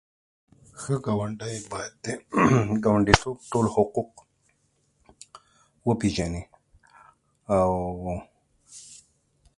زه غواړم په راتلونکي کې په مصنوعي ځيرکتيا باندې داسې غږيزې خبرې وکړم لکه انګليسي